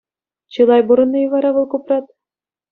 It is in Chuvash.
Чылай пурӑннӑ-и вара вӑл Купрат?